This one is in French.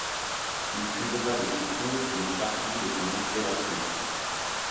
Il puisera de ces cours une partie de son inspiration.